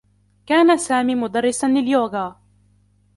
كان سامي مدرّسا لليوغا.